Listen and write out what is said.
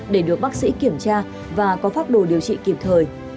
để được bác sĩ kiểm tra và có pháp đồ điều trị kịp thời